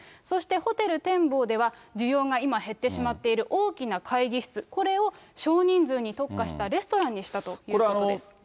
そしてホテル天坊では、需要が今減ってしまっている大きな会議室、これを少人数に特化したレストランにしたということです。